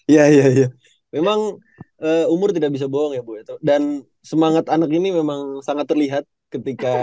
ya iya memang umur tidak bisa bohong ya bu ya dan semangat anak ini memang sangat terlihat ketika